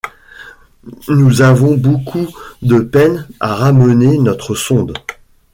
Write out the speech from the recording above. Nous avons beaucoup de peine à ramener notre sonde.